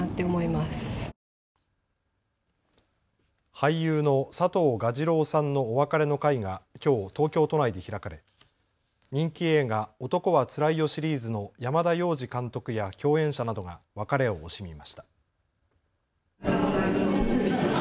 俳優の佐藤蛾次郎さんのお別れの会がきょう東京都内で開かれ人気映画、男はつらいよシリーズの山田洋次監督や共演者などが別れを惜しみました。